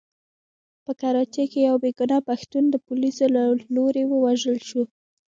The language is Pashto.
په کراچۍ کې يو بې ګناه پښتون د پوليسو له لوري ووژل شو.